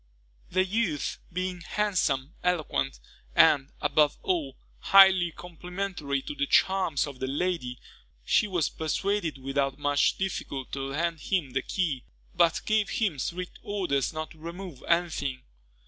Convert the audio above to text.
The youth, being handsome, eloquent, and, above all, highly complimentary to the charms of the lady, she was persuaded without much difficulty to lend him the key, but gave him strict orders not to remove any thing.